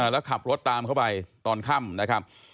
แล้วขับรถตามเข้าไปตอนค่ำนะครับ